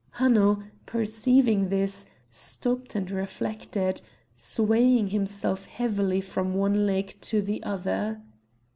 Hanno, perceiving this, stopped and reflected, swaying himself heavily from one leg to the other.